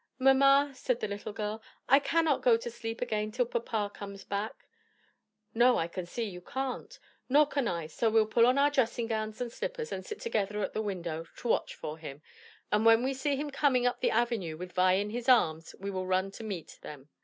"Mamma," said the little girl, "I cannot go to sleep again till papa comes back." "No, I see you can't, nor can I so we will put on our dressing gowns and slippers, and sit together at the window, to watch for him, and when we see him coming up the avenue with Vi in his arms, we will run to meet them."